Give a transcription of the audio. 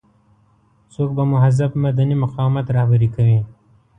څوک به مهذب مدني مقاومت رهبري کوي.